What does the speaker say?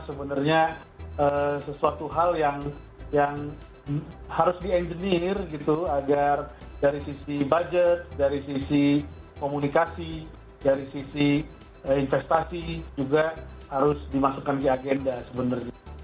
sebenarnya sesuatu hal yang harus di engineer gitu agar dari sisi budget dari sisi komunikasi dari sisi investasi juga harus dimasukkan ke agenda sebenarnya